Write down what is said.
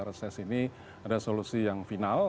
reses ini ada solusi yang final